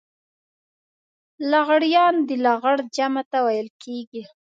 لغړيان د لغړ جمع ته ويل کېږي.